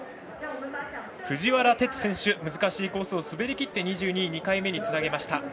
藤原哲選手、難しいコースを滑りきって２２位と２回目につなげました。